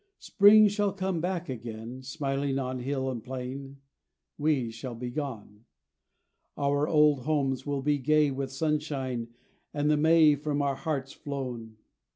Spring shall come back again, Smiling on hill and plain, We shall be gone; Our old homes will be gay With sunshine and the may, From our hearts flown.